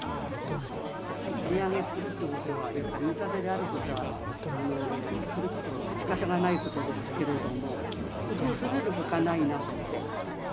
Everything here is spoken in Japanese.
値上げするということは、やっぱり痛手であることは、それこそ、しかたがないことですけれども、工夫するよりほかないなって。